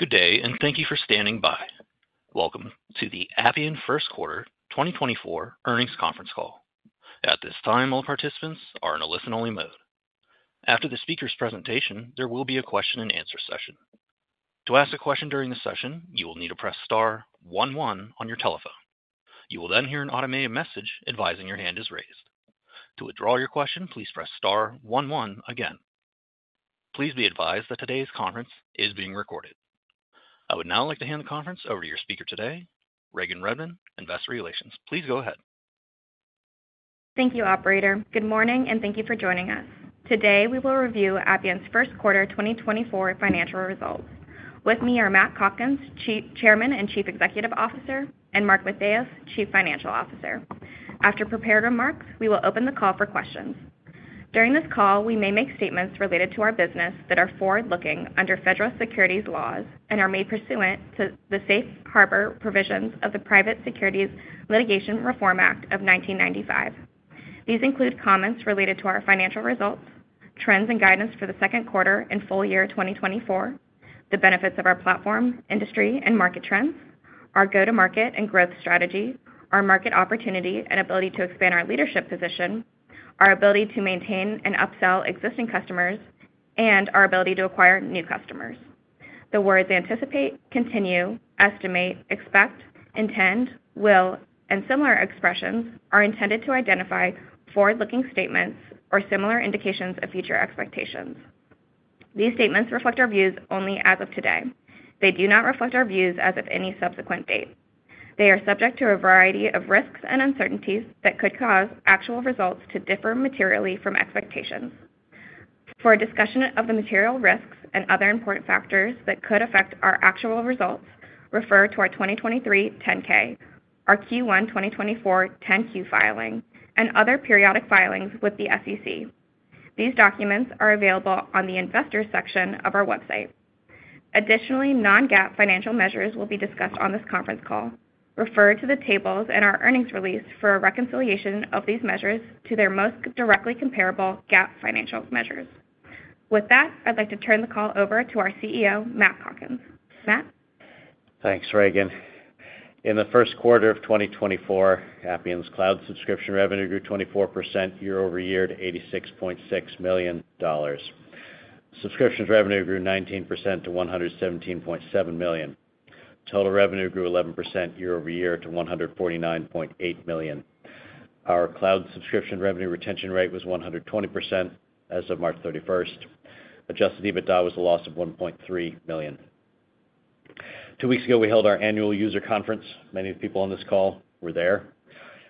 Good day, and thank you for standing by. Welcome to the Appian First Quarter 2024 Earnings Conference Call. At this time, all participants are in a listen-only mode. After the speaker's presentation, there will be a question-and-answer session. To ask a question during the session, you will need to press star one one on your telephone. You will then hear an automated message advising your hand is raised. To withdraw your question, please press star one one again. Please be advised that today's conference is being recorded. I would now like to hand the conference over to your speaker today, Regan Redmond, Investor Relations. Please go ahead. Thank you, operator. Good morning, and thank you for joining us. Today, we will review Appian's first quarter 2024 financial results. With me are Matt Calkins, Chairman and Chief Executive Officer, and Mark Matheos, Chief Financial Officer. After prepared remarks, we will open the call for questions. During this call, we may make statements related to our business that are forward-looking under federal securities laws and are made pursuant to the Safe Harbor Provisions of the Private Securities Litigation Reform Act of 1995. These include comments related to our financial results, trends and guidance for the second quarter and full year 2024, the benefits of our platform, industry, and market trends, our go-to-market and growth strategy, our market opportunity and ability to expand our leadership position, our ability to maintain and upsell existing customers, and our ability to acquire new customers. The words anticipate, continue, estimate, expect, intend, will, and similar expressions are intended to identify forward-looking statements or similar indications of future expectations. These statements reflect our views only as of today. They do not reflect our views as of any subsequent date. They are subject to a variety of risks and uncertainties that could cause actual results to differ materially from expectations. For a discussion of the material risks and other important factors that could affect our actual results, refer to our 2023 10-K, our Q1 2024 10-Q filing, and other periodic filings with the SEC. These documents are available on the Investors section of our website. Additionally, non-GAAP financial measures will be discussed on this conference call. Refer to the tables in our earnings release for a reconciliation of these measures to their most directly comparable GAAP financial measures. With that, I'd like to turn the call over to our CEO, Matt Calkins. Matt? Thanks, Regan. In the first quarter of 2024, Appian's cloud subscription revenue grew 24% year-over-year to $86.6 million. Subscriptions revenue grew 19% to $117.7 million. Total revenue grew 11% year-over-year to $149.8 million. Our cloud subscription revenue retention rate was 120% as of March 31st. Adjusted EBITDA was a loss of $1.3 million. Two weeks ago, we held our annual user conference. Many of the people on this call were there.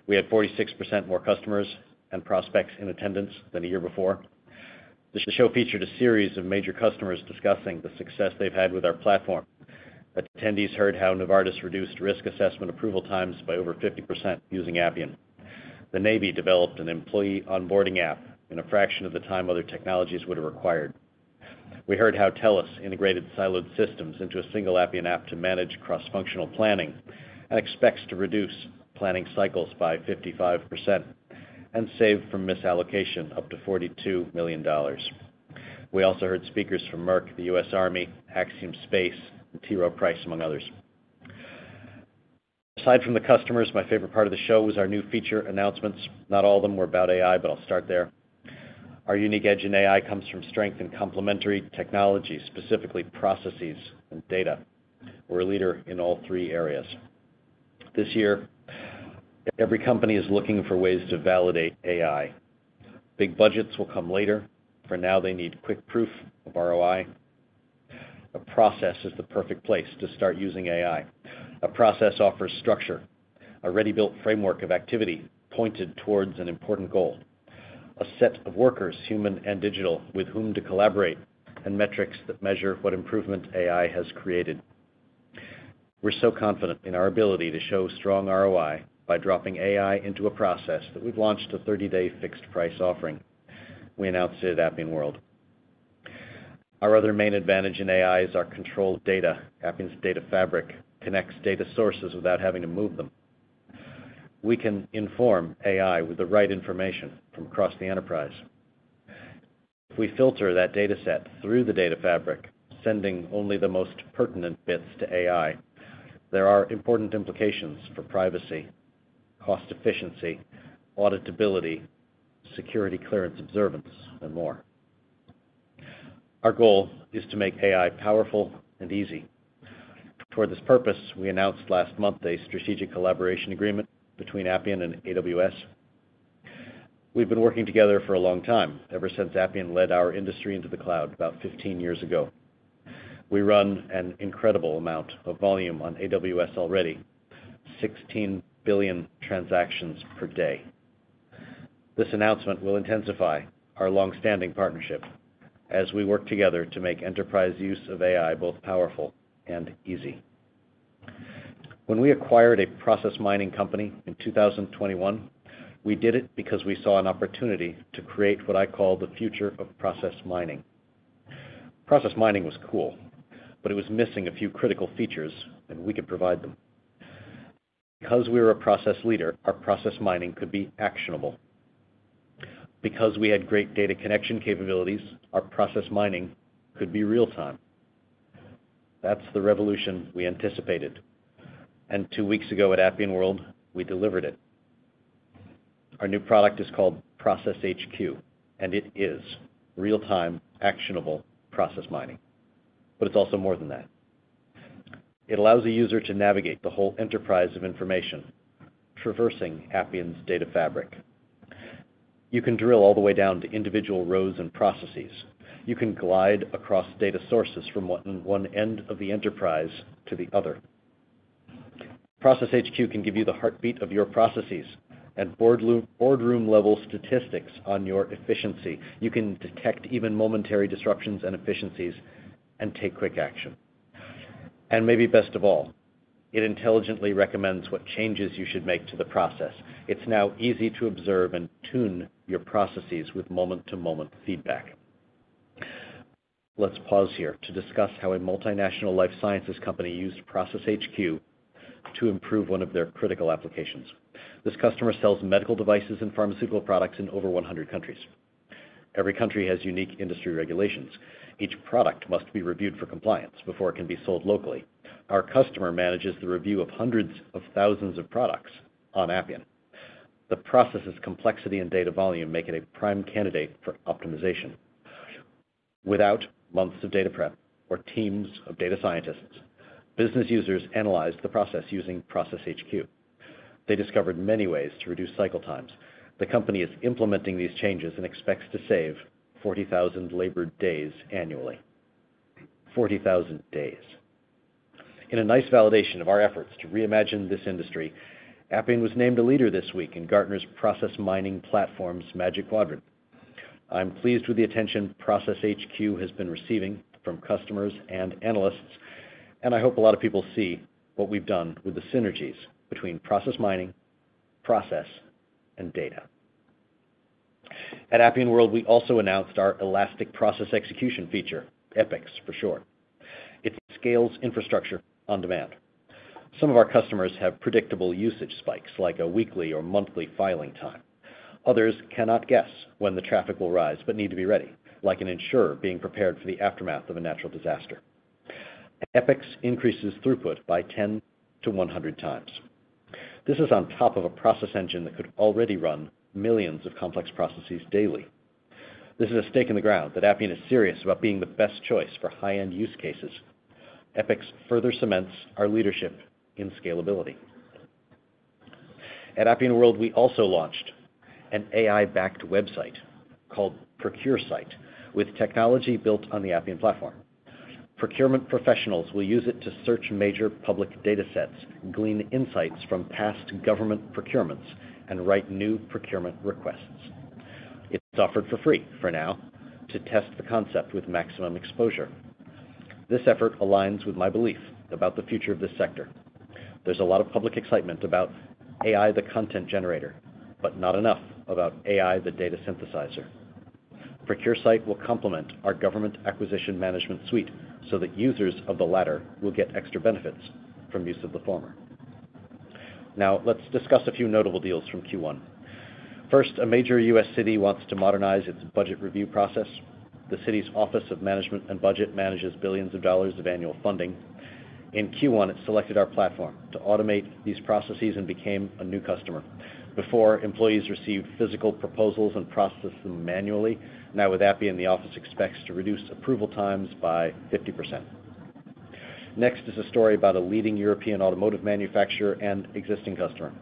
We had 46% more customers and prospects in attendance than the year before. The show featured a series of major customers discussing the success they've had with our platform. Attendees heard how Novartis reduced risk assessment approval times by over 50% using Appian. The US Navy developed an employee onboarding app in a fraction of the time other technologies would have required. We heard how TELUS integrated siloed systems into a single Appian app to manage cross-functional planning and expects to reduce planning cycles by 55% and save from misallocation up to $42 million. We also heard speakers from Merck, the US Army, Axiom Space, and T. Rowe Price, among others. Aside from the customers, my favorite part of the show was our new feature announcements. Not all of them were about AI, but I'll start there. Our unique edge in AI comes from strength in complementary technologies, specifically processes and data. We're a leader in all three areas. This year, every company is looking for ways to validate AI. Big budgets will come later. For now, they need quick proof of ROI. A process is the perfect place to start using AI. A process offers structure, a ready-built framework of activity pointed towards an important goal, a set of workers, human and digital, with whom to collaborate, and metrics that measure what improvement AI has created. We're so confident in our ability to show strong ROI by dropping AI into a process that we've launched a 30-day fixed price offering we announced at Appian World. Our other main advantage in AI is our controlled data. Appian's data fabric connects data sources without having to move them. We can inform AI with the right information from across the enterprise. If we filter that data set through the data fabric, sending only the most pertinent bits to AI, there are important implications for privacy, cost efficiency, auditability, security, clearance, observance, and more. Our goal is to make AI powerful and easy. Toward this purpose, we announced last month a strategic collaboration agreement between Appian and AWS. We've been working together for a long time, ever since Appian led our industry into the cloud about 15 years ago. We run an incredible amount of volume on AWS already, 16 billion transactions per day. This announcement will intensify our long-standing partnership as we work together to make enterprise use of AI both powerful and easy. When we acquired a process mining company in 2021, we did it because we saw an opportunity to create what I call the future of process mining. Process mining was cool, but it was missing a few critical features, and we could provide them. Because we were a process leader, our process mining could be actionable, because we had great data connection capabilities, our process mining could be real time. That's the revolution we anticipated, and two weeks ago at Appian World, we delivered it. Our new product is called Process HQ, and it is real-time, actionable process mining, but it's also more than that. It allows the user to navigate the whole enterprise of information, traversing Appian's data fabric. You can drill all the way down to individual rows and processes. You can glide across data sources from one end of the enterprise to the other. Process HQ can give you the heartbeat of your processes and boardroom-level statistics on your efficiency. You can detect even momentary disruptions and inefficiencies and take quick action. And maybe best of all, it intelligently recommends what changes you should make to the process. It's now easy to observe and tune your processes with moment-to-moment feedback. Let's pause here to discuss how a multinational life sciences company used Process HQ to improve one of their critical applications. This customer sells medical devices and pharmaceutical products in over 100 countries. Every country has unique industry regulations. Each product must be reviewed for compliance before it can be sold locally. Our customer manages the review of hundreds of thousands of products on Appian. The process's complexity and data volume make it a prime candidate for optimization. Without months of data prep or teams of data scientists, business users analyzed the process using Process HQ. They discovered many ways to reduce cycle times. The company is implementing these changes and expects to save 40,000 labored days annually. 40,000 days. In a nice validation of our efforts to reimagine this industry, Appian was named a leader this week in Gartner's Process Mining Platforms Magic Quadrant. I'm pleased with the attention Process HQ has been receiving from customers and analysts, and I hope a lot of people see what we've done with the synergies between process mining, process, and data. At Appian World, we also announced our Elastic Process Execution feature, EPEX for short. It scales infrastructure on demand. Some of our customers have predictable usage spikes, like a weekly or monthly filing time. Others cannot guess when the traffic will rise, but need to be ready, like an insurer being prepared for the aftermath of a natural disaster. EPEX increases throughput by 10-100 times. This is on top of a process engine that could already run millions of complex processes daily. This is a stake in the ground that Appian is serious about being the best choice for high-end use cases. EPEX further cements our leadership in scalability. At Appian World, we also launched an AI-backed website called ProcureSight, with technology built on the Appian platform. Procurement professionals will use it to search major public data sets, glean insights from past government procurements, and write new procurement requests. It's offered for free for now to test the concept with maximum exposure. This effort aligns with my belief about the future of this sector. There's a lot of public excitement about AI, the content generator, but not enough about AI, the data synthesizer. ProcureSight will complement our government acquisition management suite, so that users of the latter will get extra benefits from use of the former. Now, let's discuss a few notable deals from Q1. First, a major U.S. city wants to modernize its budget review process. The city's Office of Management and Budget manages billions of dollars of annual funding. In Q1, it selected our platform to automate these processes and became a new customer. Before, employees received physical proposals and processed them manually. Now, with Appian, the office expects to reduce approval times by 50%. Next is a story about a leading European automotive manufacturer and existing customer.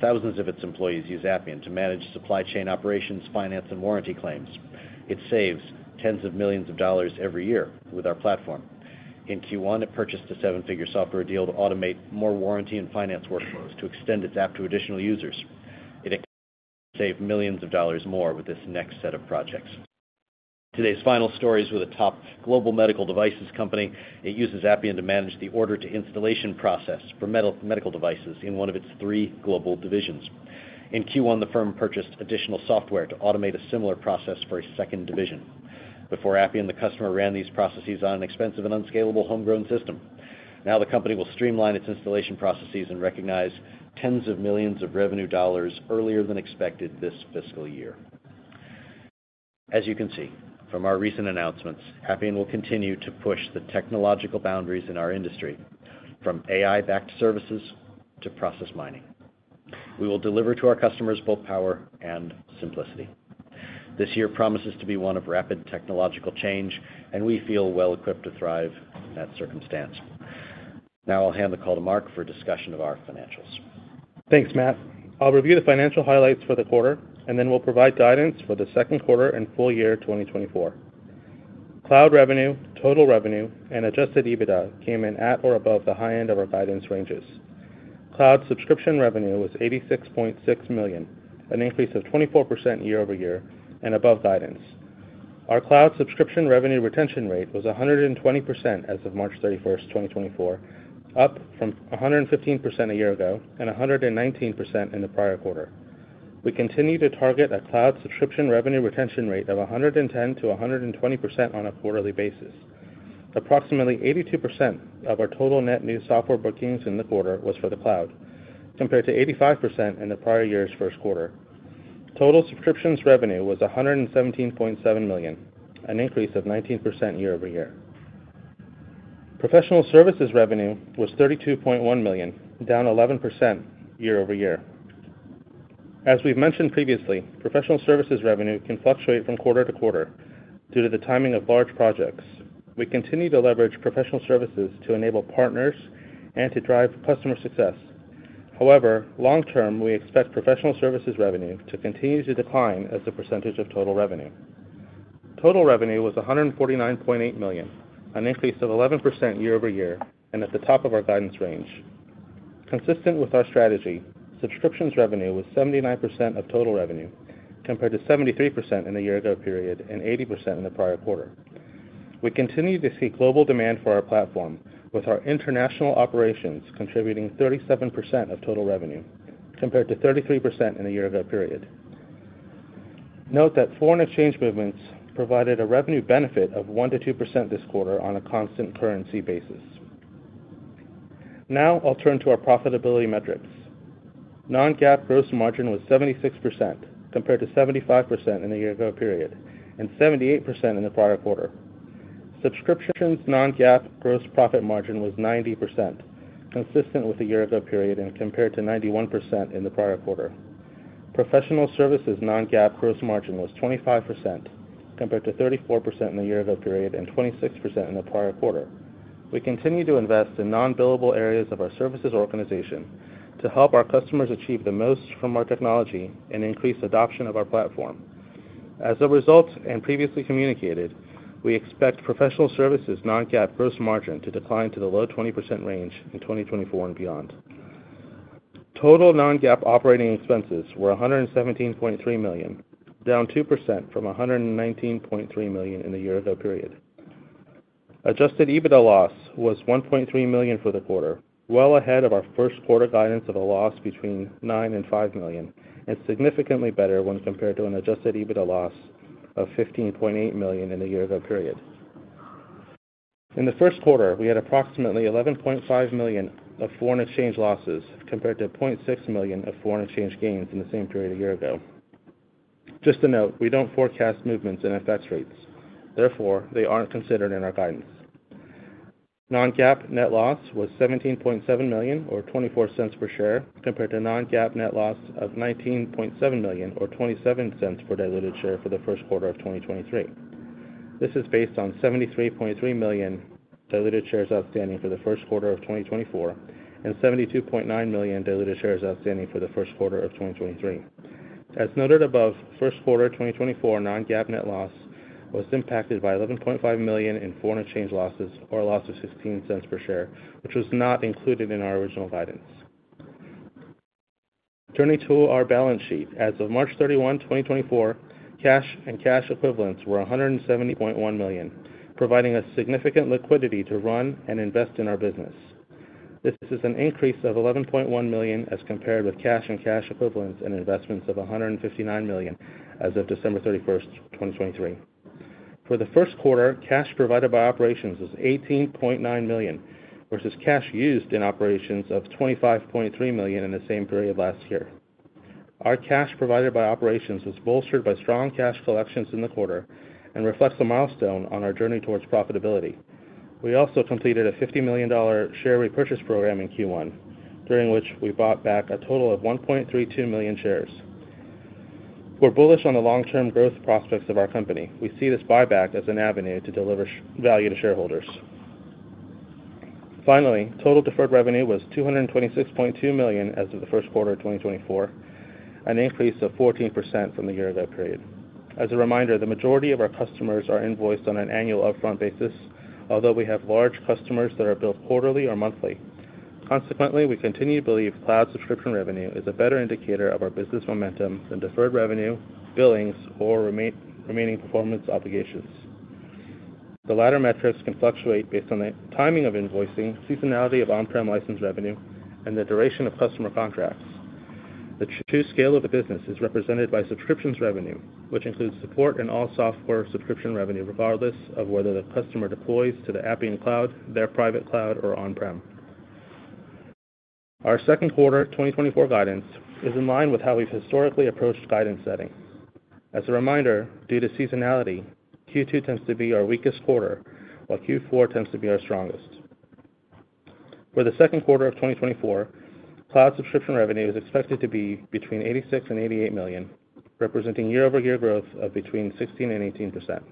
Thousands of its employees use Appian to manage supply chain operations, finance, and warranty claims. It saves tens of millions of dollars every year with our platform. In Q1, it purchased a seven-figure software deal to automate more warranty and finance workflows to extend its app to additional users. It save millions of dollars more with this next set of projects. Today's final stories with a top global medical devices company. It uses Appian to manage the order-to-installation process for medical devices in one of its three global divisions. In Q1, the firm purchased additional software to automate a similar process for a second division. Before Appian, the customer ran these processes on an expensive and unscalable homegrown system. Now, the company will streamline its installation processes and recognize tens of millions of revenue dollars earlier than expected this fiscal year. As you can see from our recent announcements, Appian will continue to push the technological boundaries in our industry, from AI-backed services to process mining. We will deliver to our customers both power and simplicity. This year promises to be one of rapid technological change, and we feel well equipped to thrive in that circumstance. Now I'll hand the call to Mark for discussion of our financials. Thanks, Matt. I'll review the financial highlights for the quarter, and then we'll provide guidance for the second quarter and full year 2024. Cloud revenue, total revenue, and adjusted EBITDA came in at or above the high end of our guidance ranges. Cloud subscription revenue was $86.6 million, an increase of 24% year over year and above guidance. Our cloud subscription revenue retention rate was 120% as of March 31st, 2024, up from 115% a year ago and 119% in the prior quarter. We continue to target a cloud subscription revenue retention rate of 110%-120% on a quarterly basis. Approximately 82% of our total net new software bookings in the quarter was for the cloud, compared to 85% in the prior year's first quarter. Total subscriptions revenue was $117.7 million, an increase of 19% year-over-year. Professional services revenue was $32.1 million, down 11% year-over-year. As we've mentioned previously, professional services revenue can fluctuate from quarter to quarter due to the timing of large projects. We continue to leverage professional services to enable partners and to drive customer success. However, long term, we expect professional services revenue to continue to decline as a percentage of total revenue. Total revenue was $149.8 million, an increase of 11% year-over-year, and at the top of our guidance range. Consistent with our strategy, subscriptions revenue was 79% of total revenue, compared to 73% in the year ago period and 80% in the prior quarter. We continue to see global demand for our platform, with our international operations contributing 37% of total revenue, compared to 33% in the year ago period. Note that foreign exchange movements provided a revenue benefit of 1%-2% this quarter on a constant currency basis. Now I'll turn to our profitability metrics. Non-GAAP gross margin was 76%, compared to 75% in the year ago period and 78% in the prior quarter. Subscriptions non-GAAP gross profit margin was 90%, consistent with the year ago period and compared to 91% in the prior quarter. Professional services non-GAAP gross margin was 25%, compared to 34% in the year ago period and 26% in the prior quarter. We continue to invest in non-billable areas of our services organization to help our customers achieve the most from our technology and increase adoption of our platform. As a result, and previously communicated, we expect professional services non-GAAP gross margin to decline to the low 20% range in 2024 and beyond. Total non-GAAP operating expenses were $117.3 million, down 2% from $119.3 million in the year ago period. Adjusted EBITDA loss was $1.3 million for the quarter, well ahead of our first quarter guidance of a loss between $9 million and $5 million, and significantly better when compared to an adjusted EBITDA loss of $15.8 million in the year ago period. In the first quarter, we had approximately $11.5 million of foreign exchange losses, compared to $0.6 million of foreign exchange gains in the same period a year ago. Just to note, we don't forecast movements in FX rates, therefore, they aren't considered in our guidance. Non-GAAP net loss was $17.7 million or $0.24 per share, compared to non-GAAP net loss of $19.7 million or $0.27 per diluted share for the first quarter of 2023. This is based on 73.3 million diluted shares outstanding for the first quarter of 2024, and 72.9 million diluted shares outstanding for the first quarter of 2023. As noted above, first quarter of 2024 non-GAAP net loss was impacted by $11.5 million in foreign exchange losses, or a loss of $0.16 per share, which was not included in our original guidance. Turning to our balance sheet. As of March 31, 2024, cash and cash equivalents were $170.1 million, providing us significant liquidity to run and invest in our business. This is an increase of $11.1 million as compared with cash and cash equivalents and investments of $159 million as of December 31st, 2023. For the first quarter, cash provided by operations was $18.9 million, versus cash used in operations of $25.3 million in the same period last year. Our cash provided by operations was bolstered by strong cash collections in the quarter and reflects a milestone on our journey towards profitability. We also completed a $50 million share repurchase program in Q1, during which we bought back a total of 1.32 million shares. We're bullish on the long-term growth prospects of our company. We see this buyback as an avenue to deliver shareholder value to shareholders. Finally, total deferred revenue was $226.2 million as of the first quarter of 2024, an increase of 14% from the year-ago period. As a reminder, the majority of our customers are invoiced on an annual upfront basis, although we have large customers that are billed quarterly or monthly. Consequently, we continue to believe cloud subscription revenue is a better indicator of our business momentum than deferred revenue, billings, or remaining performance obligations. The latter metrics can fluctuate based on the timing of invoicing, seasonality of on-prem license revenue, and the duration of customer contracts. The true scale of the business is represented by subscriptions revenue, which includes support and all software subscription revenue, regardless of whether the customer deploys to the Appian cloud, their private cloud, or on-prem. Our second quarter 2024 guidance is in line with how we've historically approached guidance setting. As a reminder, due to seasonality, Q2 tends to be our weakest quarter, while Q4 tends to be our strongest. For the second quarter of 2024, cloud subscription revenue is expected to be between $86 million and $88 million, representing year-over-year growth of between 16% and 18%.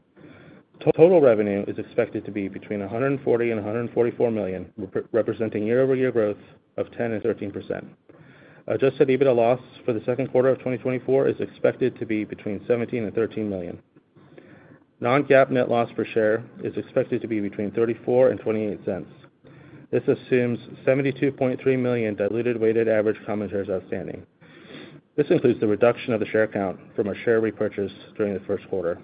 Total revenue is expected to be between $140 million and $144 million, representing year-over-year growth of 10% and 13%. Adjusted EBITDA loss for the second quarter of 2024 is expected to be between $17 million and $13 million. Non-GAAP net loss per share is expected to be between $0.34 and $0.28. This assumes 72.3 million diluted weighted average common shares outstanding. This includes the reduction of the share count from our share repurchase during the first quarter.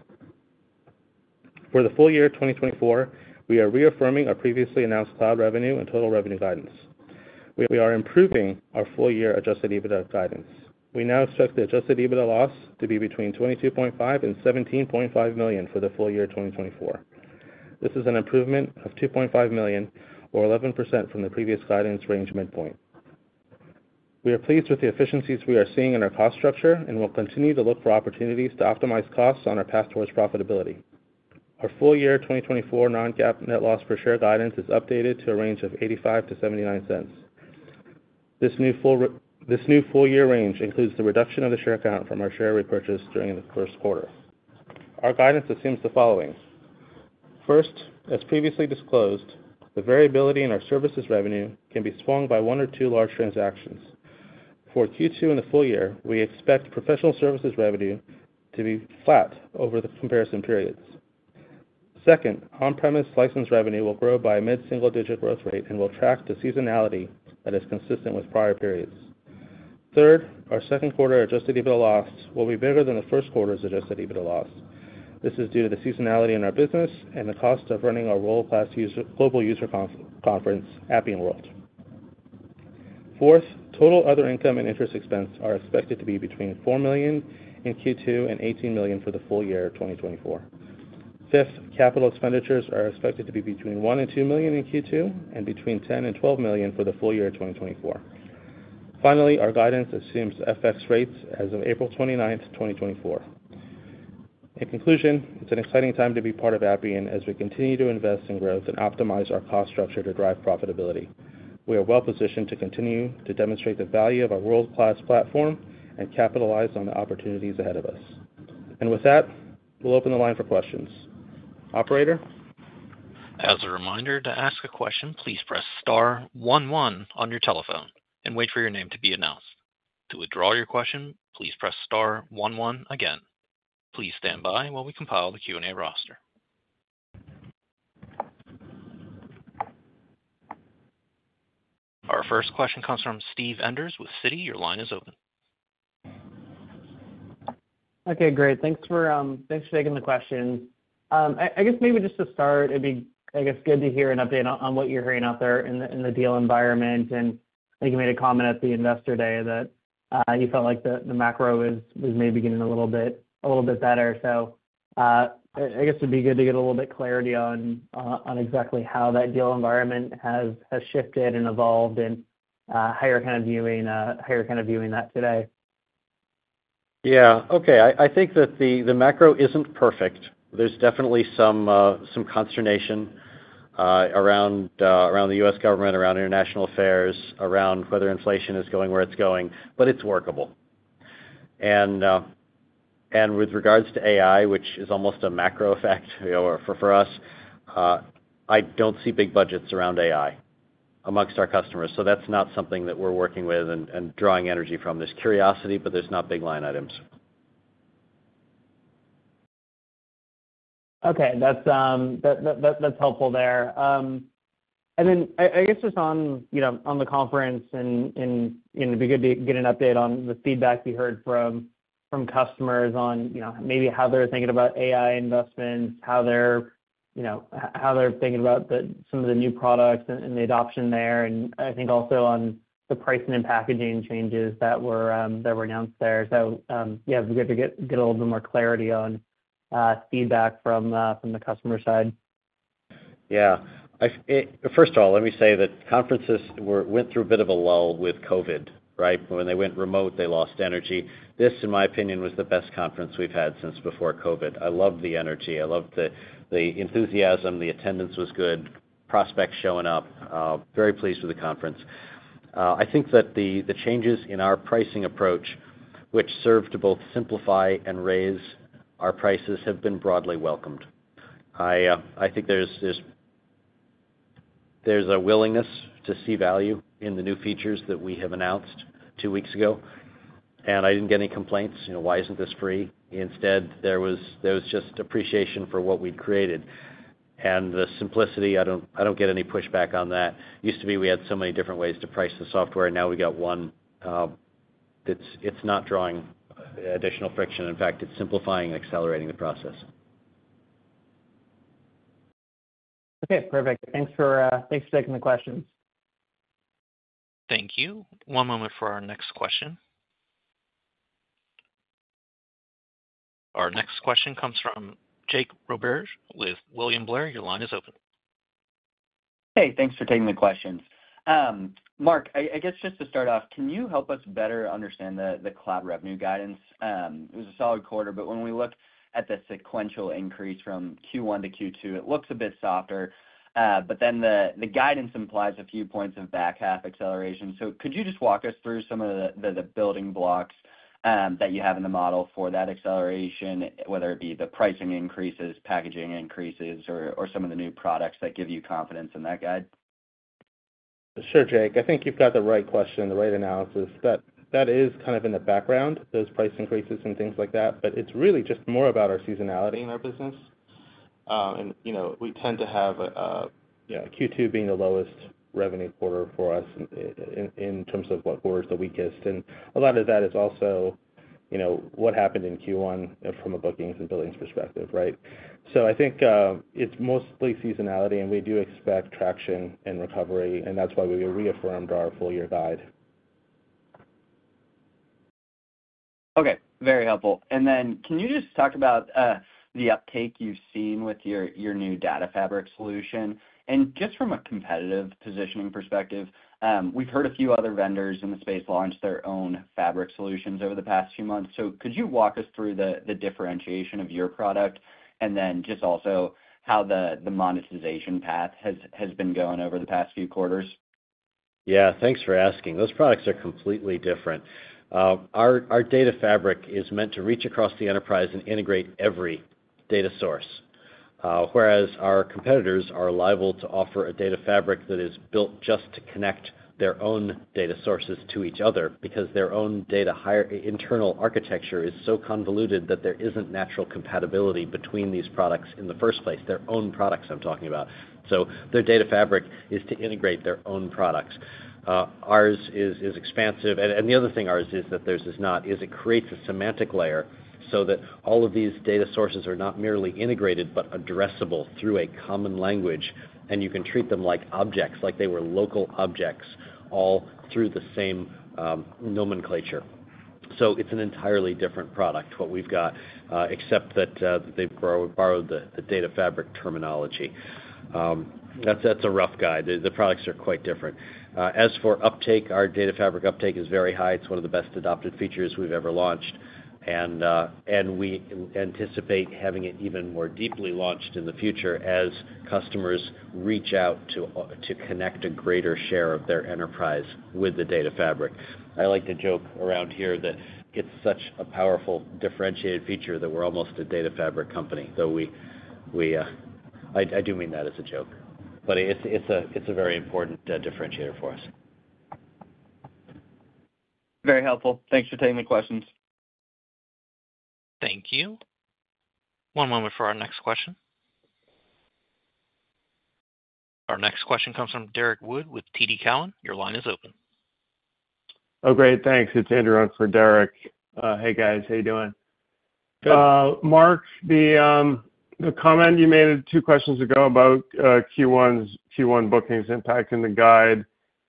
For the full year 2024, we are reaffirming our previously announced cloud revenue and total revenue guidance.... we are improving our full year adjusted EBITDA guidance. We now expect the adjusted EBITDA loss to be between $22.5 million and $17.5 million for the full year 2024. This is an improvement of $2.5 million or 11% from the previous guidance range midpoint. We are pleased with the efficiencies we are seeing in our cost structure, and we'll continue to look for opportunities to optimize costs on our path towards profitability. Our full year 2024 non-GAAP net loss per share guidance is updated to a range of $0.85-$0.79. This new full year range includes the reduction of the share count from our share repurchase during the first quarter. Our guidance assumes the following: First, as previously disclosed, the variability in our services revenue can be swung by one or two large transactions. For Q2 and the full year, we expect professional services revenue to be flat over the comparison periods. Second, on-premise license revenue will grow by a mid-single-digit growth rate and will track the seasonality that is consistent with prior periods. Third, our second quarter adjusted EBITDA loss will be bigger than the first quarter's adjusted EBITDA loss. This is due to the seasonality in our business and the cost of running our world-class global user conference, Appian World. Fourth, total other income and interest expense are expected to be between $4 million in Q2 and $18 million for the full year 2024. Fifth, capital expenditures are expected to be between $1 million-$2 million in Q2 and between $10 million-$12 million for the full year 2024. Finally, our guidance assumes FX rates as of April 29, 2024. In conclusion, it's an exciting time to be part of Appian as we continue to invest in growth and optimize our cost structure to drive profitability. We are well positioned to continue to demonstrate the value of our world-class platform and capitalize on the opportunities ahead of us. With that, we'll open the line for questions. Operator? As a reminder, to ask a question, please press star one, one on your telephone and wait for your name to be announced. To withdraw your question, please press star one, one again. Please stand by while we compile the Q&A roster. Our first question comes from Steve Enders with Citi. Your line is open. Okay, great. Thanks for, thanks for taking the question. I guess maybe just to start, it'd be, I guess, good to hear an update on what you're hearing out there in the deal environment. And I think you made a comment at the Investor Day that you felt like the macro is maybe getting a little bit better. So, I guess it'd be good to get a little bit clarity on exactly how that deal environment has shifted and evolved, and how you're kind of viewing that today. Yeah. Okay, I think that the macro isn't perfect. There's definitely some consternation around the U.S. government, around international affairs, around whether inflation is going where it's going, but it's workable. And with regards to AI, which is almost a macro effect, you know, for us, I don't see big budgets around AI amongst our customers, so that's not something that we're working with and drawing energy from. There's curiosity, but there's not big line items. Okay. That's helpful there. And then I guess just on, you know, on the conference and, you know, it'd be good to get an update on the feedback you heard from customers on, you know, maybe how they're thinking about AI investments, how they're, you know, how they're thinking about the some of the new products and the adoption there, and I think also on the pricing and packaging changes that were announced there. So, yeah, it'd be good to get a little bit more clarity on feedback from the customer side. Yeah. I first of all, let me say that conferences went through a bit of a lull with COVID, right? When they went remote, they lost energy. This, in my opinion, was the best conference we've had since before COVID. I loved the energy. I loved the enthusiasm. The attendance was good, prospects showing up. Very pleased with the conference. I think that the changes in our pricing approach, which served to both simplify and raise our prices, have been broadly welcomed. I think there's a willingness to see value in the new features that we have announced two weeks ago, and I didn't get any complaints, "You know, why isn't this free?" Instead, there was just appreciation for what we'd created. And the simplicity, I don't get any pushback on that. Used to be we had so many different ways to price the software, now we got one. It's not drawing additional friction. In fact, it's simplifying and accelerating the process. Okay, perfect. Thanks for taking the questions. Thank you. One moment for our next question. Our next question comes from Jake Roberge with William Blair. Your line is open. Hey, thanks for taking the questions. Mark, I guess just to start off, can you help us better understand the cloud revenue guidance? It was a solid quarter, but when we look at the sequential increase from Q1 to Q2, it looks a bit softer. But then the guidance implies a few points of back-half acceleration. So could you just walk us through some of the building blocks that you have in the model for that acceleration, whether it be the pricing increases, packaging increases, or some of the new products that give you confidence in that guide? Sure, Jake. I think you've got the right question, the right analysis. That is kind of in the background, those price increases and things like that, but it's really just more about our seasonality in our business. And, you know, we tend to have Q2 being the lowest revenue quarter for us in terms of what quarter is the weakest. And a lot of that is also... you know, what happened in Q1 from a bookings and billings perspective, right? So I think, it's mostly seasonality, and we do expect traction and recovery, and that's why we reaffirmed our full year guide. Okay, very helpful. And then can you just talk about the uptake you've seen with your new data fabric solution? And just from a competitive positioning perspective, we've heard a few other vendors in the space launch their own fabric solutions over the past few months. So could you walk us through the differentiation of your product, and then just also how the monetization path has been going over the past few quarters? Yeah, thanks for asking. Those products are completely different. Our data fabric is meant to reach across the enterprise and integrate every data source. Whereas our competitors are liable to offer a data fabric that is built just to connect their own data sources to each other, because their own internal architecture is so convoluted that there isn't natural compatibility between these products in the first place, their own products I'm talking about. So their data fabric is to integrate their own products. Ours is expansive. And the other thing ours is, that theirs is not, is it creates a semantic layer so that all of these data sources are not merely integrated, but addressable through a common language, and you can treat them like objects, like they were local objects, all through the same nomenclature. So it's an entirely different product, what we've got, except that, they've borrowed the data fabric terminology. That's a rough guide. The products are quite different. As for uptake, our data fabric uptake is very high. It's one of the best adopted features we've ever launched, and we anticipate having it even more deeply launched in the future as customers reach out to connect a greater share of their enterprise with the data fabric. I like to joke around here that it's such a powerful, differentiated feature that we're almost a data fabric company, though we... I do mean that as a joke, but it's a very important differentiator for us. Very helpful. Thanks for taking the questions. Thank you. One moment for our next question. Our next question comes from Derrick Wood with TD Cowen. Your line is open. Oh, great, thanks. It's Andrew on for Derrick. Hey, guys, how you doing? Good. Mark, the comment you made two questions ago about Q1's Q1 bookings impacting the guide,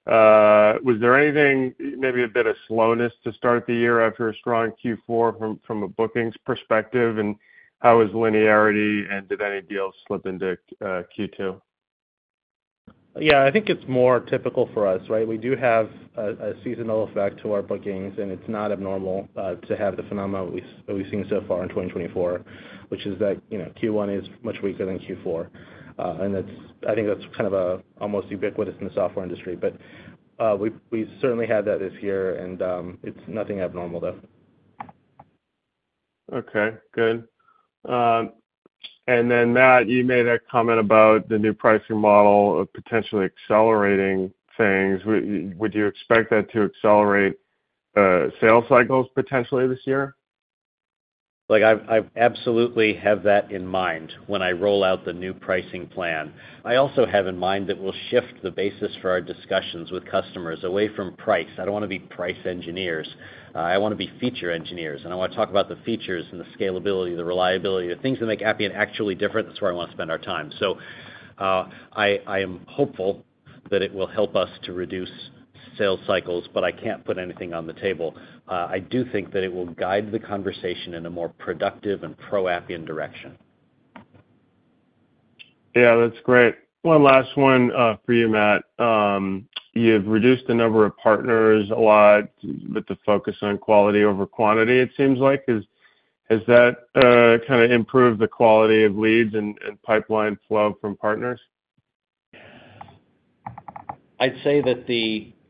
was there anything, maybe a bit of slowness to start the year after a strong Q4 from a bookings perspective, and how was linearity, and did any deals slip into Q2? Yeah, I think it's more typical for us, right? We do have a seasonal effect to our bookings, and it's not abnormal to have the phenomena that we've seen so far in 2024, which is that, you know, Q1 is much weaker than Q4. And it's, I think that's kind of almost ubiquitous in the software industry. But we certainly had that this year, and it's nothing abnormal, though. Okay, good. And then, Matt, you made a comment about the new pricing model of potentially accelerating things. Would you expect that to accelerate sales cycles potentially this year? Look, I absolutely have that in mind when I roll out the new pricing plan. I also have in mind that we'll shift the basis for our discussions with customers away from price. I don't want to be price engineers. I want to be feature engineers, and I want to talk about the features and the scalability, the reliability, the things that make Appian actually different. That's where I want to spend our time. So, I am hopeful that it will help us to reduce sales cycles, but I can't put anything on the table. I do think that it will guide the conversation in a more productive and pro-Appian direction. Yeah, that's great. One last one, for you, Matt. You've reduced the number of partners a lot, with the focus on quality over quantity, it seems like. Has that kind of improved the quality of leads and pipeline flow from partners? I'd say that.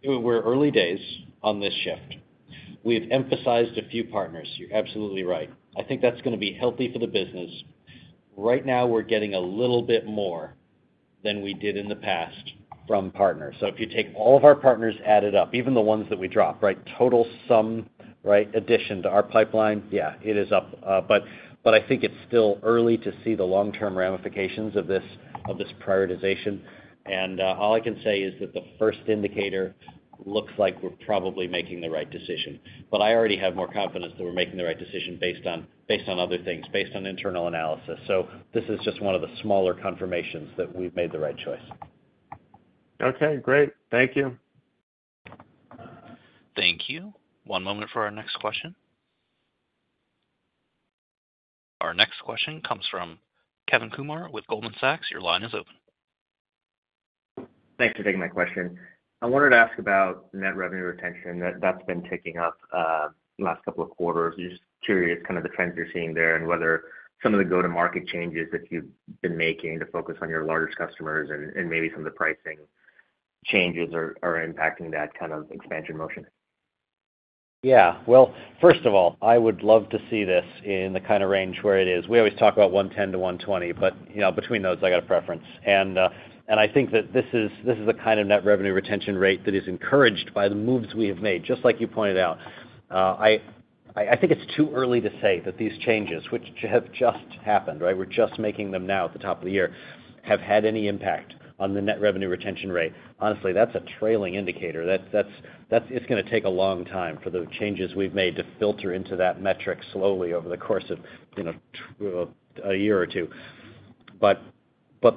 We're early days on this shift. We've emphasized a few partners, you're absolutely right. I think that's gonna be healthy for the business. Right now, we're getting a little bit more than we did in the past from partners. So if you take all of our partners added up, even the ones that we dropped, right, total sum, right, addition to our pipeline, yeah, it is up, but I think it's still early to see the long-term ramifications of this prioritization. And all I can say is that the first indicator looks like we're probably making the right decision. But I already have more confidence that we're making the right decision based on other things, based on internal analysis. So this is just one of the smaller confirmations that we've made the right choice. Okay, great. Thank you. Thank you. One moment for our next question. Our next question comes from Kevin Kumar with Goldman Sachs. Your line is open. Thanks for taking my question. I wanted to ask about net revenue retention. That's been ticking up the last couple of quarters. Just curious, kind of the trends you're seeing there, and whether some of the go-to-market changes that you've been making to focus on your largest customers and maybe some of the pricing changes are impacting that kind of expansion motion. Yeah. Well, first of all, I would love to see this in the kind of range where it is. We always talk about 110-120, but, you know, between those, I got a preference. And I think that this is the kind of net revenue retention rate that is encouraged by the moves we have made, just like you pointed out. I think it's too early to say that these changes, which have just happened, right, we're just making them now at the top of the year, have had any impact on the net revenue retention rate. Honestly, that's a trailing indicator. That's—It's gonna take a long time for the changes we've made to filter into that metric slowly over the course of, you know, a year or two. But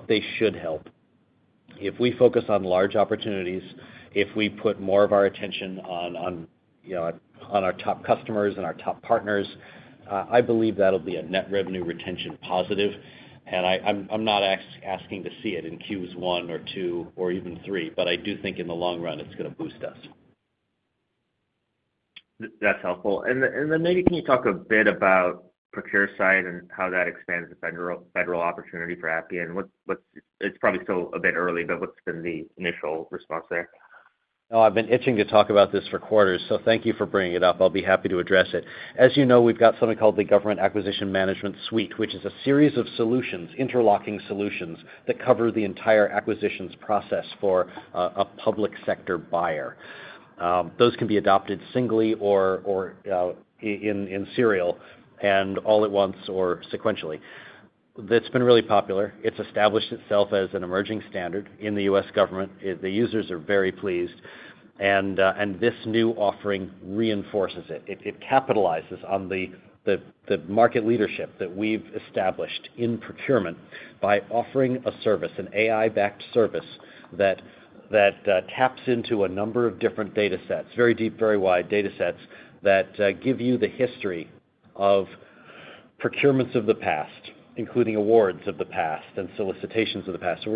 they should help. If we focus on large opportunities, if we put more of our attention on, you know, on our top customers and our top partners, I believe that'll be a net revenue retention positive, and I'm not asking to see it in Q1 or Q2 or even Q3, but I do think in the long run, it's gonna boost us. That's helpful. And then maybe can you talk a bit about ProcureSight and how that expands the federal opportunity for Appian? What's—it's probably still a bit early, but what's been the initial response there? Oh, I've been itching to talk about this for quarters, so thank you for bringing it up. I'll be happy to address it. As you know, we've got something called the Government Acquisition Management Suite, which is a series of solutions, interlocking solutions, that cover the entire acquisitions process for a public sector buyer. Those can be adopted singly or in serial and all at once or sequentially. That's been really popular. It's established itself as an emerging standard in the U.S. government. The users are very pleased, and this new offering reinforces it. It capitalizes on the market leadership that we've established in procurement by offering a service, an AI-backed service, that taps into a number of different data sets, very deep, very wide data sets, that give you the history of procurements of the past, including awards of the past and solicitations of the past. So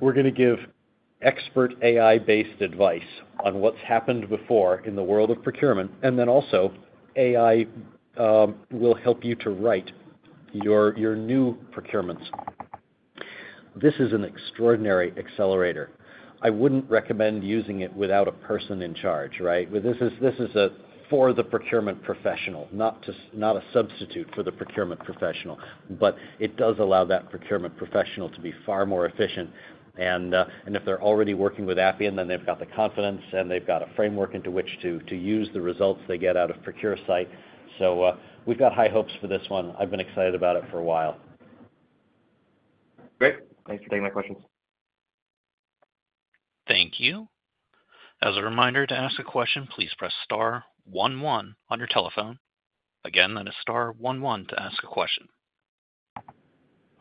we're gonna give expert AI-based advice on what's happened before in the world of procurement, and then also, AI will help you to write your new procurements. This is an extraordinary accelerator. I wouldn't recommend using it without a person in charge, right? But this is for the procurement professional, not just... not a substitute for the procurement professional. But it does allow that procurement professional to be far more efficient, and if they're already working with Appian, then they've got the confidence, and they've got a framework into which to use the results they get out of ProcureSight. So, we've got high hopes for this one. I've been excited about it for a while. Great. Thanks for taking my questions. Thank you. As a reminder, to ask a question, please press star one one on your telephone. Again, that is star one one to ask a question.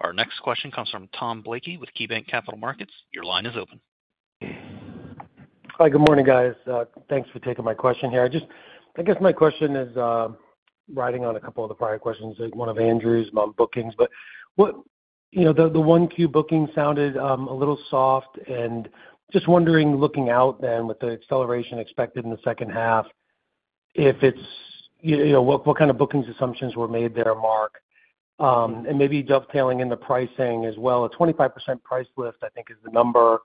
Our next question comes from Tom Blakey with KeyBanc Capital Markets. Your line is open. Hi, good morning, guys. Thanks for taking my question here. I just, I guess my question is, riding on a couple of the prior questions, like one of Andrew's about bookings. But what... You know, the 1Q booking sounded a little soft, and just wondering, looking out then, with the acceleration expected in the second half, if it's, you know, what kind of bookings assumptions were made there, Mark? And maybe dovetailing into pricing as well, a 25% price lift, I think, is the number,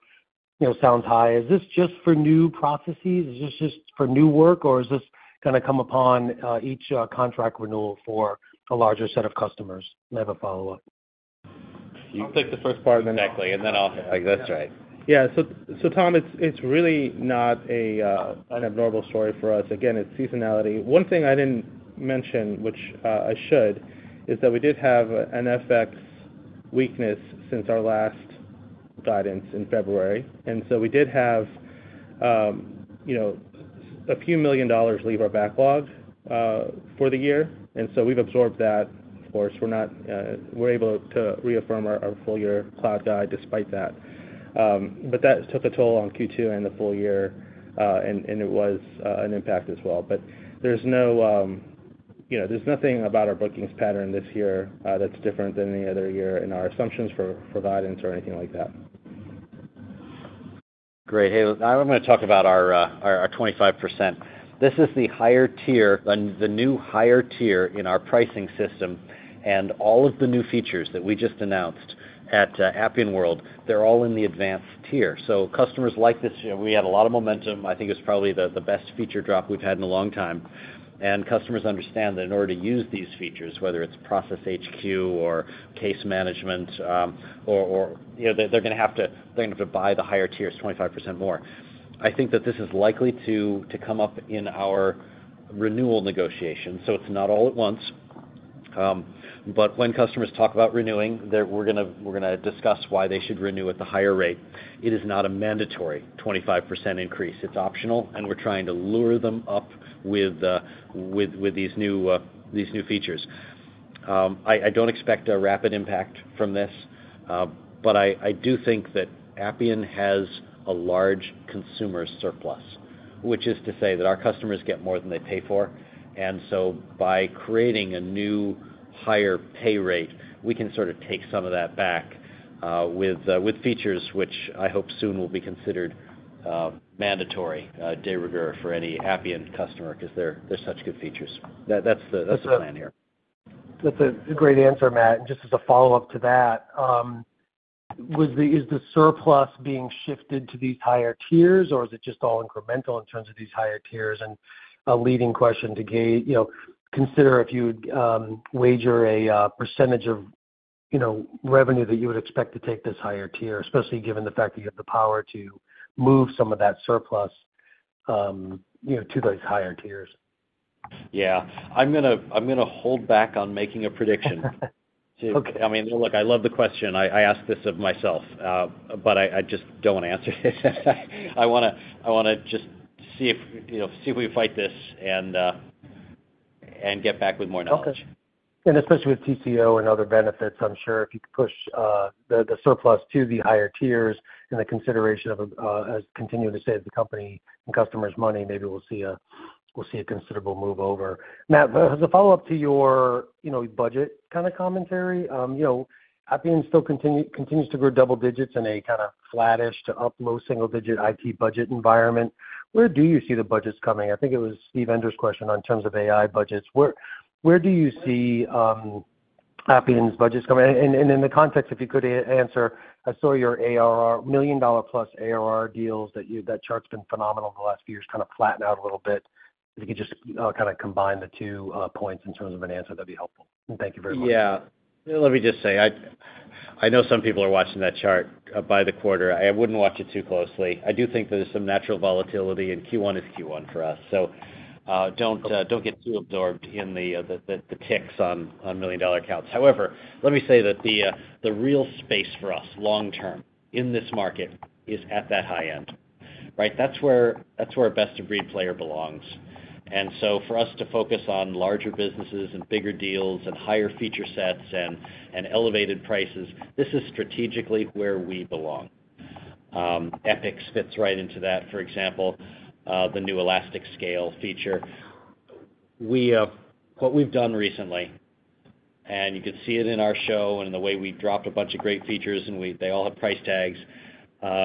you know, sounds high. Is this just for new processes? Is this just for new work, or is this gonna come upon each contract renewal for a larger set of customers? And I have a follow-up. I'll take the first part and then- i got right. Yeah, so Tom, it's really not an abnormal story for us. Again, it's seasonality. One thing I didn't mention, which I should, is that we did have an FX weakness since our last guidance in February, and so we did have, you know, a few million dollars leave our backlog for the year. And so we've absorbed that. Of course, we're able to reaffirm our full year cloud guide despite that. But that took a toll on Q2 and the full year, and it was an impact as well. But there's no, you know, there's nothing about our bookings pattern this year that's different than any other year in our assumptions for guidance or anything like that. Great. Hey, I'm gonna talk about our 25%. This is the higher tier, and the new higher tier in our pricing system, and all of the new features that we just announced at Appian World, they're all in the advanced tier. So customers like this. We have a lot of momentum. I think it's probably the best feature drop we've had in a long time. And customers understand that in order to use these features, whether it's Process HQ or case management, you know, they're gonna have to buy the higher tiers, 25% more. I think that this is likely to come up in our renewal negotiation, so it's not all at once. But when customers talk about renewing, we're gonna discuss why they should renew at the higher rate. It is not a mandatory 25% increase. It's optional, and we're trying to lure them up with these new features. I don't expect a rapid impact from this, but I do think that Appian has a large consumer surplus, which is to say that our customers get more than they pay for. And so by creating a new, higher pay rate, we can sort of take some of that back, with features which I hope soon will be considered mandatory, de rigueur for any Appian customer because they're such good features. That's the plan here. That's a great answer, Matt. And just as a follow-up to that, was the, is the surplus being shifted to these higher tiers, or is it just all incremental in terms of these higher tiers? And a leading question to gauge, you know, consider if you'd wager a percentage of, you know, revenue that you would expect to take this higher tier, especially given the fact that you have the power to move some of that surplus, you know, to those higher tiers. Yeah. I'm gonna, I'm gonna hold back on making a prediction. Okay. I mean, look, I love the question. I ask this of myself, but I just don't want to answer it. I wanna just see if, you know, see if we fight this and get back with more knowledge. Okay. And especially with TCO and other benefits, I'm sure if you could push the surplus to the higher tiers and the consideration of as continuing to save the company and customers money, maybe we'll see a considerable move over. Matt, as a follow-up to your, you know, budget kind of commentary, you know, Appian continues to grow double digits in a kind of flattish to up low single digit IT budget environment. Where do you see the budgets coming? I think it was Steve Enders's question in terms of AI budgets. Where do you see Appian's budgets coming? And in the context, if you could answer, I saw your ARR, million dollar plus ARR deals that chart's been phenomenal the last few years, kind of flattened out a little bit. If you could just kind of combine the two points in terms of an answer, that'd be helpful. Thank you very much. Yeah. Let me just say, I know some people are watching that chart by the quarter. I wouldn't watch it too closely. I do think there's some natural volatility, and Q1 is Q1 for us. So, don't get too absorbed in the ticks on million-dollar accounts. However, let me say that the real space for us long term in this market is at that high end, right? That's where a best-of-breed player belongs. And so for us to focus on larger businesses and bigger deals and higher feature sets and elevated prices, this is strategically where we belong. EPEX fits right into that, for example, the new elastic scale feature. We, what we've done recently, and you can see it in our show and the way we've dropped a bunch of great features, and they all have price tags,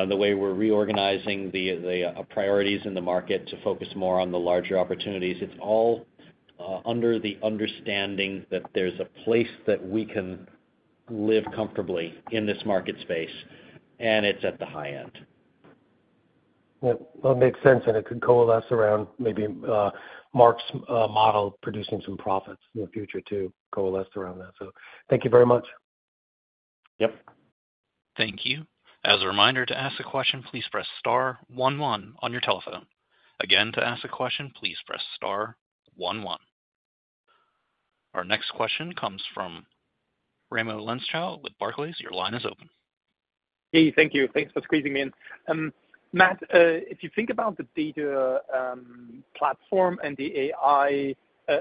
the way we're reorganizing the priorities in the market to focus more on the larger opportunities, it's all under the understanding that there's a place that we can live comfortably in this market space, and it's at the high end. Well, that makes sense, and it could coalesce around maybe, Mark's, model producing some profits in the future to coalesce around that. So thank you very much. Yep. Thank you. As a reminder, to ask a question, please press star one one on your telephone. Again, to ask a question, please press star one one. Our next question comes from Raimo Lenschow with Barclays. Your line is open. Hey, thank you. Thanks for squeezing me in. Matt, if you think about the data platform and the AI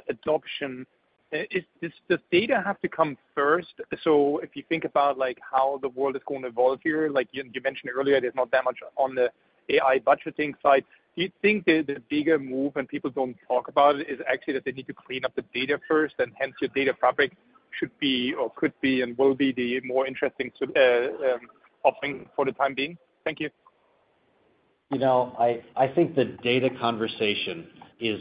adoption, does the data have to come first? So if you think about, like, how the world is going to evolve here, like you, you mentioned earlier, there's not that much on the AI budgeting side. Do you think the, the bigger move, and people don't talk about, is actually that they need to clean up the data first, and hence, your data fabric should be or could be and will be the more interesting to, offering for the time being? Thank you. You know, I think the data conversation is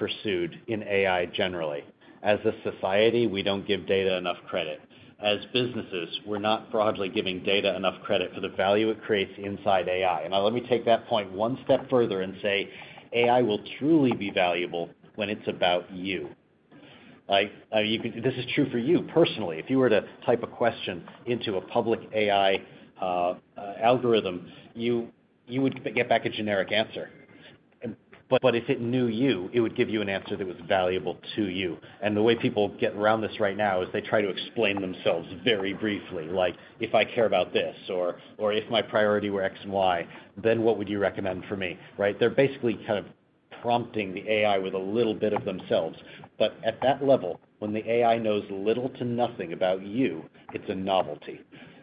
under-pursued in AI generally. As a society, we don't give data enough credit. As businesses, we're not broadly giving data enough credit for the value it creates inside AI. Now, let me take that point one step further and say, AI will truly be valuable when it's about you. Like, you can... This is true for you personally. If you were to type a question into a public AI algorithm, you would get back a generic answer. But if it knew you, it would give you an answer that was valuable to you. And the way people get around this right now is they try to explain themselves very briefly, like, if I care about this or if my priority were X and Y, then what would you recommend for me, right? They're basically kind of prompting the AI with a little bit of themselves. But at that level, when the AI knows little to nothing about you, it's a novelty.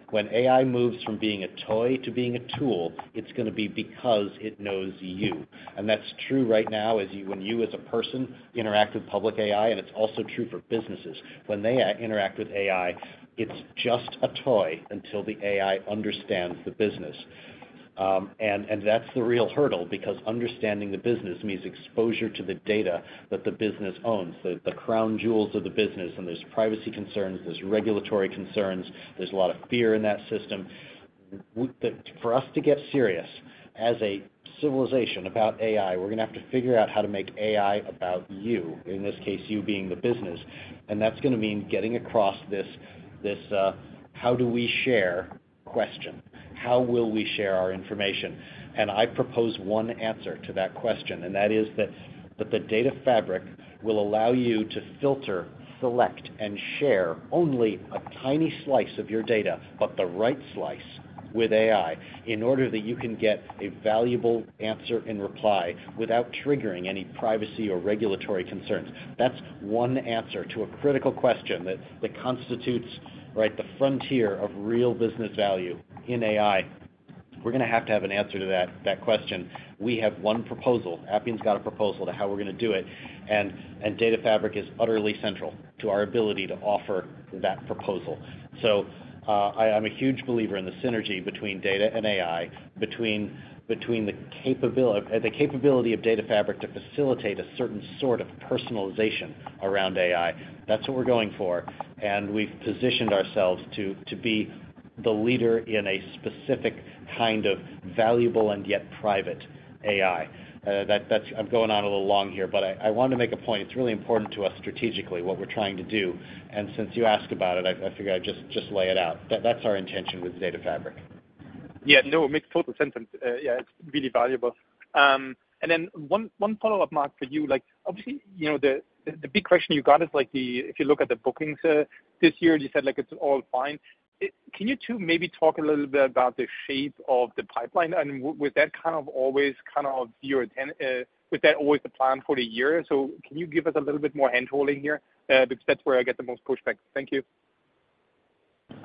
When AI moves from being a toy to being a tool, it's gonna be because it knows you. And that's true right now, when you, as a person, interact with public AI, and it's also true for businesses. When they interact with AI, it's just a toy until the AI understands the business. And that's the real hurdle, because understanding the business means exposure to the data that the business owns, the crown jewels of the business, and there's privacy concerns, there's regulatory concerns, there's a lot of fear in that system. That for us to get serious as a civilization about AI, we're gonna have to figure out how to make AI about you, in this case, you being the business, and that's gonna mean getting across this how do we share question? How will we share our information? And I propose one answer to that question, and that is that the data fabric will allow you to filter, select, and share only a tiny slice of your data, but the right slice with AI, in order that you can get a valuable answer and reply without triggering any privacy or regulatory concerns. That's one answer to a critical question that constitutes, right, the frontier of real business value in AI. We're gonna have to have an answer to that question. We have one proposal. Appian's got a proposal to how we're gonna do it, and data fabric is utterly central to our ability to offer that proposal. So, I, I'm a huge believer in the synergy between data and AI, between the capability of data fabric to facilitate a certain sort of personalization around AI. That's what we're going for, and we've positioned ourselves to be the leader in a specific kind of valuable and yet private AI. That, that's... I'm going on a little long here, but I want to make a point. It's really important to us strategically, what we're trying to do, and since you asked about it, I figured I'd just lay it out. That's our intention with data fabric. Yeah, no, it makes total sense. Yeah, it's really valuable. And then one follow-up, Mark, for you. Like, obviously, you know, the big question you got is, like, if you look at the bookings this year, you said, like, it's all fine. Can you two maybe talk a little bit about the shape of the pipeline, and was that kind of always kind of your intention? Was that always the plan for the year? So can you give us a little bit more hand-holding here? Because that's where I get the most pushback. Thank you.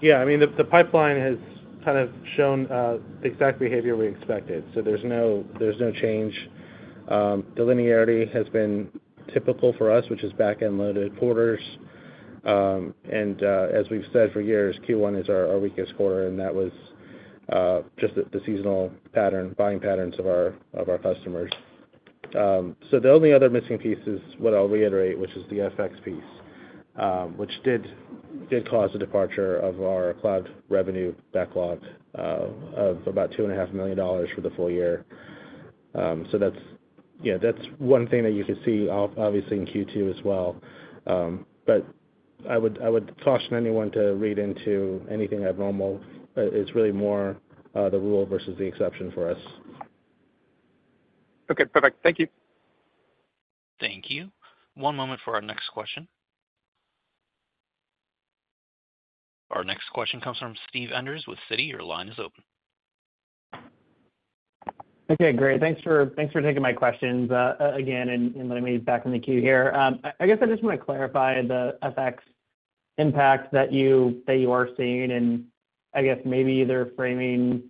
Yeah, I mean, the, the pipeline has kind of shown the exact behavior we expected, so there's no, there's no change. The linearity has been typical for us, which is back-end loaded quarters. And, as we've said for years, Q1 is our, our weakest quarter, and that was just the, the seasonal pattern, buying patterns of our, of our customers. So the only other missing piece is what I'll reiterate, which is the FX piece, which did, did cause a departure of our cloud revenue backlog of about $2.5 million for the full year. So that's, yeah, that's one thing that you could see obviously in Q2 as well. But I would, I would caution anyone to read into anything abnormal. It's really more the rule versus the exception for us. Okay, perfect. Thank you. Thank you. One moment for our next question. Our next question comes from Steve Enders with Citi. Your line is open. Okay, great. Thanks for, thanks for taking my questions, again, and, and letting me back in the queue here. I guess I just wanna clarify the FX impact that you are seeing, and I guess maybe either framing,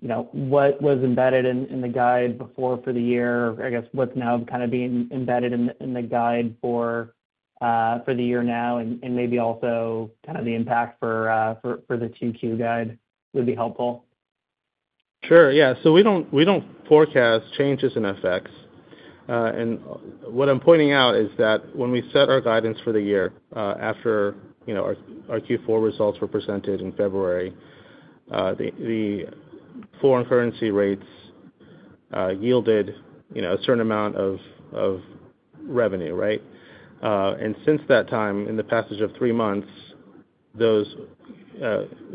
you know, what was embedded in the guide before for the year, I guess what's now kind of being embedded in the guide for the year now and, and maybe also kind of the impact for the Q2 guide would be helpful. Sure, yeah. So we don't, we don't forecast changes in FX. And what I'm pointing out is that when we set our guidance for the year, after you know our Q4 results were presented in February, the foreign currency rates yielded you know a certain amount of revenue, right? And since that time, in the passage of three months, those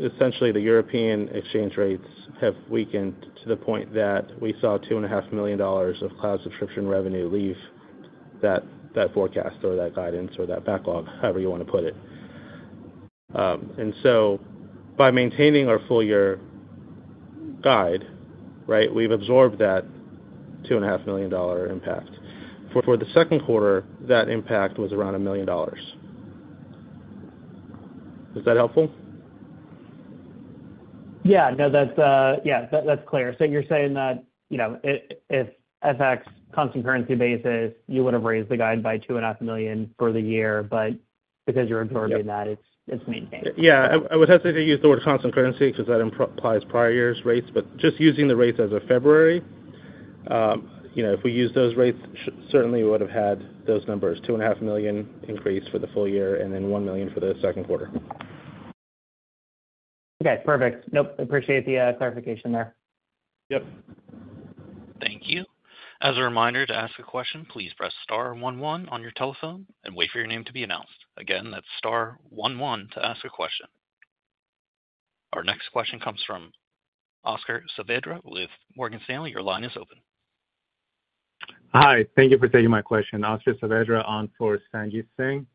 essentially the European exchange rates have weakened to the point that we saw $2.5 million of cloud subscription revenue leave that forecast or that guidance or that backlog, however you wanna put it. And so by maintaining our full year guide, right, we've absorbed that $2.5 million impact. For the second quarter, that impact was around $1 million. Is that helpful? Yeah. No, that's... Yeah, that, that's clear. So you're saying that, you know, if FX constant currency basis, you would have raised the guide by $2.5 million for the year, but because you're absorbing that- Yep. It's, it's maintained. Yeah, I, I would hesitate to use the word constant currency because that implies prior years' rates, but just using the rates as of February, you know, if we use those rates, certainly we would have had those numbers, $2.5 million increase for the full year and then $1 million for the second quarter. Okay, perfect. Nope, appreciate the clarification there. Yep. Thank you. As a reminder, to ask a question, please press star one one on your telephone and wait for your name to be announced. Again, that's star one one to ask a question. Our next question comes from Oscar Saavedra with Morgan Stanley. Your line is open. Hi, thank you for taking my question. Oscar Saavedra on for Sanjit Singh.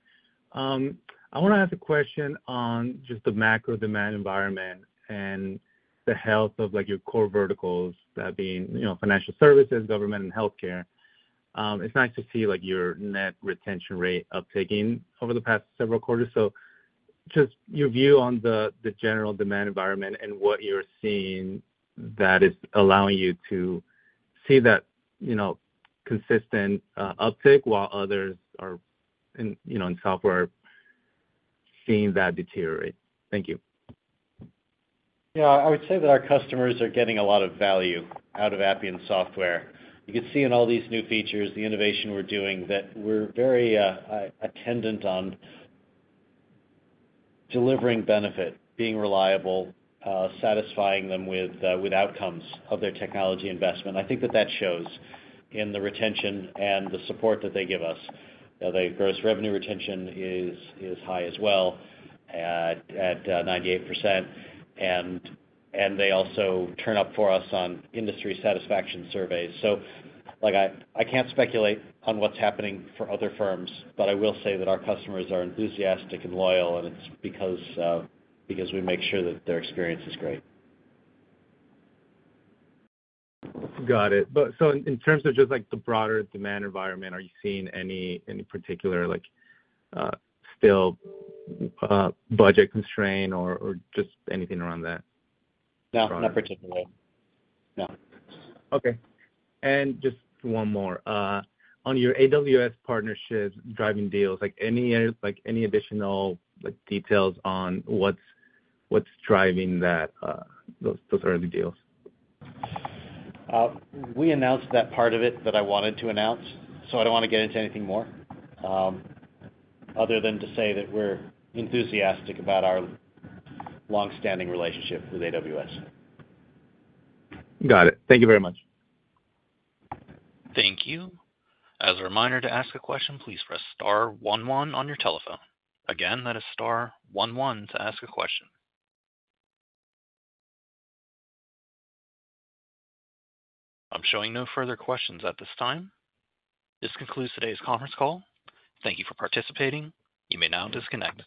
I wanna ask a question on just the macro demand environment and the health of, like, your core verticals, that being, you know, financial services, government, and healthcare. It's nice to see, like, your net retention rate upticking over the past several quarters. So just your view on the, the general demand environment and what you're seeing that is allowing you to see that, you know, consistent uptick while others are, in, you know, in software, seeing that deteriorate. Thank you. Yeah, I would say that our customers are getting a lot of value out of Appian software. You can see in all these new features, the innovation we're doing, that we're very, attendant on delivering benefit, being reliable, satisfying them with, with outcomes of their technology investment. I think that that shows in the retention and the support that they give us. You know, the gross revenue retention is, is high as well, at, 98%. And, and they also turn up for us on industry satisfaction surveys. So like I-- I can't speculate on what's happening for other firms, but I will say that our customers are enthusiastic and loyal, and it's because, because we make sure that their experience is great. Got it. But so in terms of just, like, the broader demand environment, are you seeing any particular, like, still budget constraint or just anything around that? No, not particularly. No. Okay. Just one more. On your AWS partnership driving deals, like, any additional, like, details on what's driving that, those early deals? We announced that part of it that I wanted to announce, so I don't wanna get into anything more, other than to say that we're enthusiastic about our longstanding relationship with AWS. Got it. Thank you very much. Thank you. As a reminder, to ask a question, please press star one one on your telephone. Again, that is star one one to ask a question. I'm showing no further questions at this time. This concludes today's conference call. Thank you for participating. You may now disconnect.